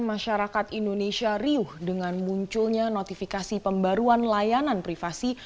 masyarakat indonesia riuh dengan munculnya notifikasi pembaruan layanan privasi